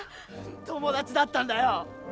友達だったんだよ！